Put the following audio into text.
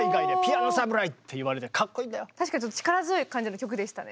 確かに力強い感じの曲でしたね。